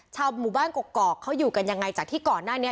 หมู่บ้านกอกเขาอยู่กันยังไงจากที่ก่อนหน้านี้